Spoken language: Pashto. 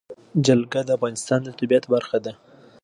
جلګه د افغانستان د طبیعت برخه ده.